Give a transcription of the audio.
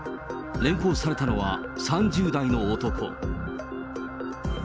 連行されたのは３０代の男。